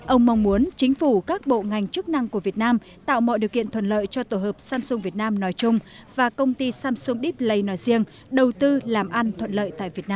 ông mong muốn chính phủ các bộ ngành chức năng của việt nam tạo mọi điều kiện thuận lợi cho tổ hợp samsung việt nam nói chung và công ty samsung dipley nói riêng đầu tư làm ăn thuận lợi tại việt nam nói chung